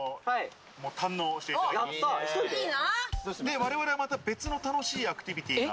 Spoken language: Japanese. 我々はまた別の楽しいアクティビティーが。